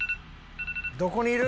「どこにいる？